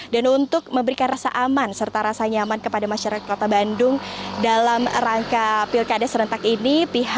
dan untuk memberikan rasa aman serta rasa nyaman kepada masyarakat kota bandung dalam rangka pil kd serentak ini